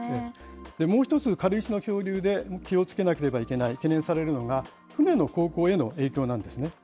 もう１つ軽石の漂流で気をつけなければいけない、懸念されるのが、船の航行への影響なんですね。